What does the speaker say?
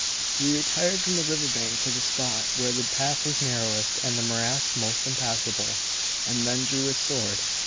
He retired from the river bank to the spot where the path was narrowest and the morass most impassable, and then drew his sword.